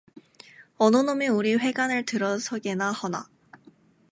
어느 놈이 우리 회관엘 들어서게나 허나.